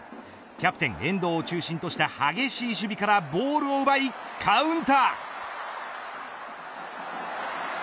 キャプテン遠藤を中心とした激しい守備からボールを奪いカウンター。